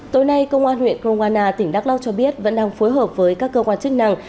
tối nay công an huyện kroana tỉnh đắk lắc cho biết vẫn đang phối hợp với các cơ quan chức năng